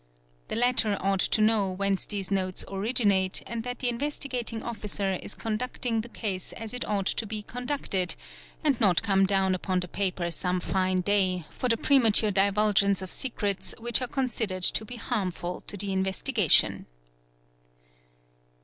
The latter ought to know whence these notes originate and at the Investigating Officer is conducting the case as it ought to be ad ceted, and not come down upon the paper some fine day for the remature divulgence of secrets which are considered to be harmful to 2 investigation.